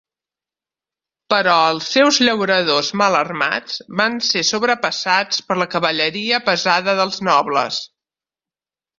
Però els seus llauradors mal armats van ser sobrepassats per la cavalleria pesada dels nobles.